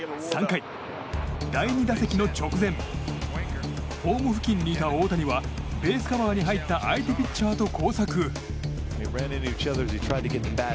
３回、第２打席の直前ホーム付近にいた大谷はベースカバーに入った相手ピッチャーと交錯。